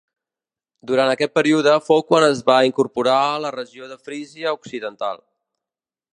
Durant aquest període fou quan es va incorporar la regió de Frísia Occidental.